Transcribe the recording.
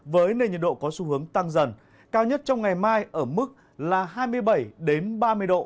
với nền nhiệt độ có xu hướng tăng dần cao nhất trong ngày mai ở mức là hai mươi bảy ba mươi độ